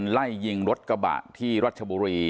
ไล่ยิงรถกระบะที่รัชบุรี